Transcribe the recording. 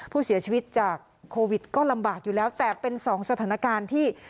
ผู้เสียชีวิตจากโควิดก็ลำบากอยู่แล้วแต่เป็นสองสถานการณ์ที่